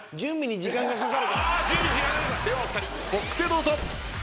ではお二人ボックスへどうぞ。